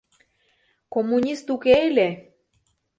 Коммунист уке ыле.